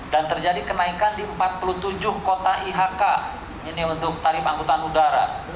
dan terjadi kenaikan di empat puluh tujuh kota ihk ini untuk tarif angkutan udara